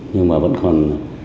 nhưng mà vẫn còn